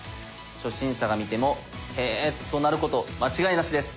初心者が見ても「へえ」となること間違いなしです。